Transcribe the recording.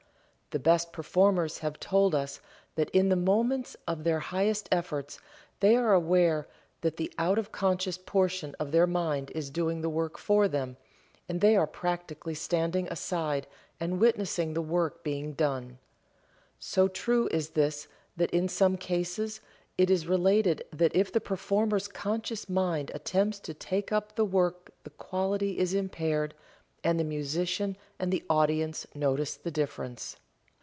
The best performers have told us that in the moments of their highest efforts they are aware that the out of conscious portion of their mind is doing the work for them, and they are practically standing aside and witnessing the work being done. So true is this that in some cases it is related that if the performer's conscious mind attempts to take up the work the quality is impaired and the musician and the audience notice the difference.